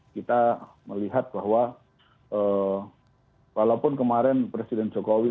kita melihat bahwa walaupun kemarin presiden jokowi